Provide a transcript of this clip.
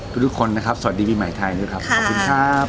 ทุกคนนะครับสวัสดีปีใหม่ไทยด้วยครับขอบคุณครับ